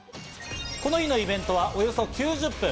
この日のイベントはおよそ９０分。